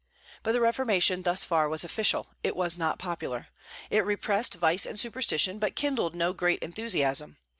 But the Reformation thus far was official; it was not popular. It repressed vice and superstition, but kindled no great enthusiasm.